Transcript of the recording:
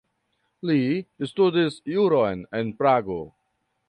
Li studis juron en Prago.